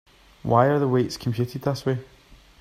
Why are the weights computed this way?